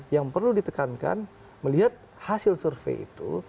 yang perlu ditekankan melihat hasil survei itu